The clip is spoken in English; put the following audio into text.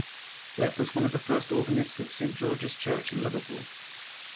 Webbe was one of the first organists at Saint George's Church in Liverpool.